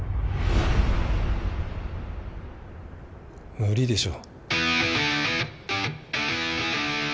無理でしょう。